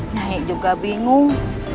nyanyi juga bingung